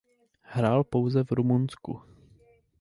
Hrál pouze v Rumunsku.